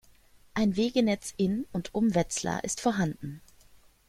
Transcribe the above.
Ein Wegenetz in und um Wetzlar ist vorhanden.